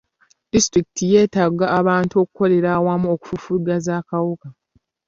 Disitulikiti yetaaga abantu okukolera awamu okufufugaza akawuka.